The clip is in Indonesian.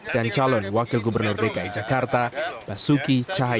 dan calon wakil gubernur dki jakarta basuki cahayapet